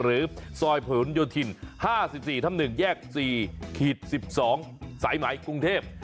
หรือซอยผลโยธิน๕๔ทับ๑แยก๔๑๒สายไหมกรุงเทพ